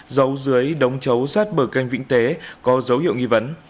giấu dưới đống chấu sát bờ canh vĩnh tế có dấu hiệu nghi vấn